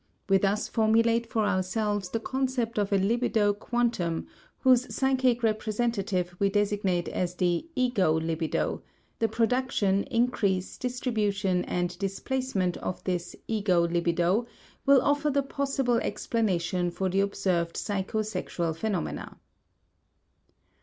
We thus formulate for ourselves the concept of a libido quantum whose psychic representative we designate as the ego libido; the production, increase, distribution and displacement of this ego libido will offer the possible explanation for the observed psycho sexual phenomena.